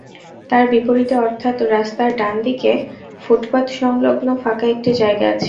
তার বিপরীতে অর্থাৎ রাস্তার ডান দিকে ফুটপাতসংলগ্ন ফাঁকা একটি জায়গা আছে।